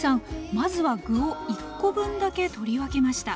まずは具を１コ分だけ取り分けました。